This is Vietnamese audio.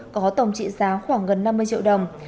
có tổng trị giá khoảng gần năm mươi triệu đồng